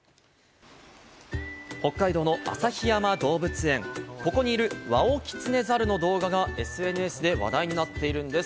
北海道の旭山動物園、ここにいるワオキツネザルの動画がＳＮＳで話題になっているんです。